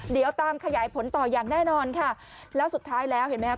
เดี๋ยวตามขยายผลต่ออย่างแน่นอนค่ะแล้วสุดท้ายแล้วเห็นไหมครับ